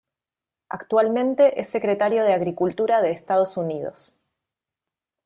Actualmente es Secretario de Agricultura de Estados Unidos.